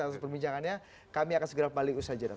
atas perbincangannya kami akan segera kembali usaha jadwal